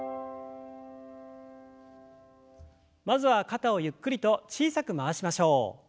まずは肩をゆっくりと小さく回しましょう。